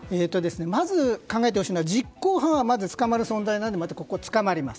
まず考えてほしいのは実行犯は捕まる存在なので捕まります。